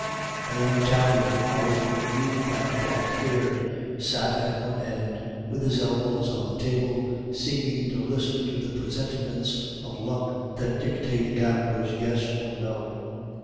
A young Italian, olive hued and dark haired, sat at one end, with his elbows on the table, seeming to listen to the presentiments of luck that dictate a gambler's "Yes" or "No."